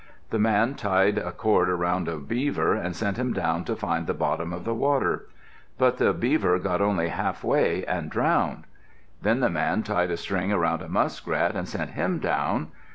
The man tied a cord around a beaver and sent him down to find the bottom of the water. But the beaver got only half way and drowned. Then the man tied a string around a muskrat and sent him down.